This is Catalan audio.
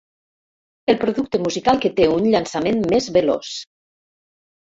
El producte musical que té un llançament més veloç.